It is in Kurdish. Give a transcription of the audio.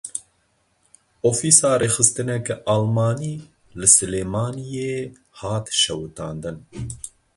Ofîsa rêxistineke Almanî li Silêmaniyê hat şewitandin.